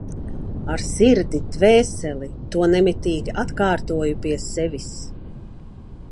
Ar sirdi, dvēseli, to nemitīgi atkārtoju pie sevis.